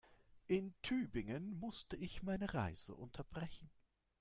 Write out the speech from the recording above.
In Tübingen musste ich meine Reise unterbrechen